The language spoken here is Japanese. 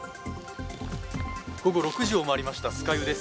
午後６時を回りました酸ヶ湯です。